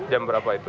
jam berapa itu